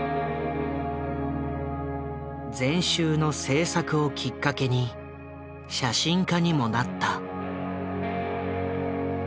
全集の制作をきっかけに写真家にもなった。